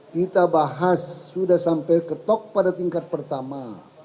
kita bahas sudah sampai ketok pada tingkat pertama